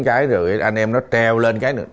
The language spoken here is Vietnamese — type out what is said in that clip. nắm cái tay giữ đẩy một cái rồi anh em nó treo lên cái nữa